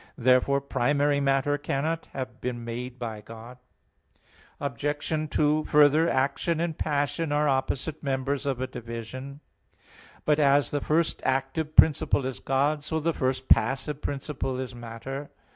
Therefore primary matter cannot have been made by God. Obj. 2: Further, action and passion are opposite members of a division. But as the first active principle is God, so the first passive principle is matter.